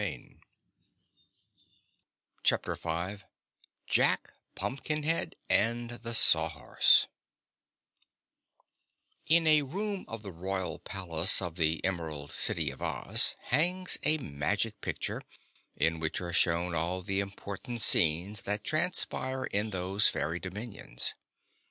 JACK PUMPKINHEAD AND THE SAWHORSE In a room of the Royal Palace of the Emerald City of Oz hangs a Magic Picture, in which are shown all the important scenes that transpire in those fairy dominions.